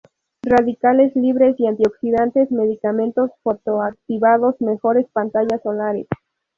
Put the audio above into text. Radicales libres y antioxidantes, medicamentos foto-activados, mejores pantallas solares.